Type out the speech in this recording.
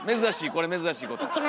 これ珍しいこと。